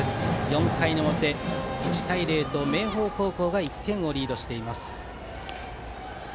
４回の表、１対０と明豊高校が１点リードしています。